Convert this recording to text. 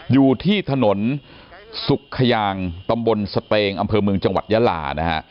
อยู่ที่ถนนสุขขยางตำบลสเตงอำเภอเมืองจังหวัดยาลานะฮะ